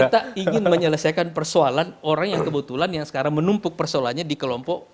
kita ingin menyelesaikan persoalan orang yang kebetulan yang sekarang menumpuk persoalannya di kelompok